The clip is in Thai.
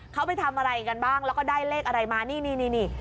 เขาไปทำอะไรกันบ้างแล้วก็ได้เลขอะไรมานี่นี่